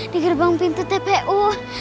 di gerbang pintu tpu